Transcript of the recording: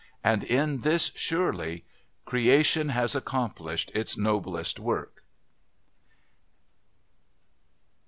And in this, surely, creation has accomplished its noblest work.